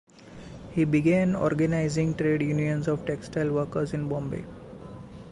He began organizing trade unions of textile workers in Bombay.